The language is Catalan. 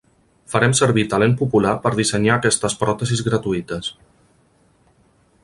Farem servir talent popular per dissenyar aquestes pròtesis gratuïtes.